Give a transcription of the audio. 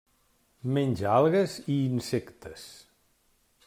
Menja algues i insectes.